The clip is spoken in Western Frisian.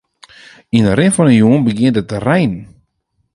Yn 'e rin fan 'e jûn begjint it te reinen.